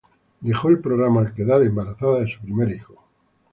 Dejó el programa al quedar embarazada de su primer hijo.